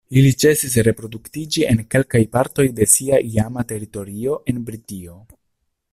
Ili ĉesis reproduktiĝi en kelkaj partoj de sia iama teritorio en Britio.